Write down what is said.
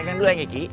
tekan dulu ya ngeki